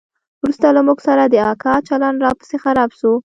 وروسته له موږ سره د اکا چلند لا پسې خراب سو.